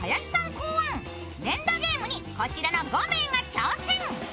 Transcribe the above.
考案粘土ゲームにこちらの５人が挑戦。